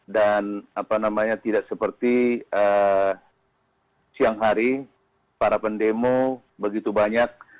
dan tidak seperti siang hari para pendemo begitu banyak